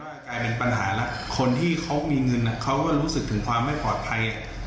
กลายเป็นปัญหาแล้วคนที่เขามีเงินเขาก็รู้สึกถึงความไม่ปลอดภัย